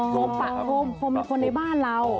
พรมฝั่งฝั่ง